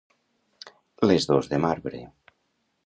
Les dos de marbre.